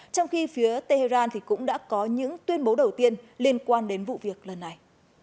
trong khi phía tehran cũng đã có những tuyên bố đầu tiên liên quan đến vụ việc lần này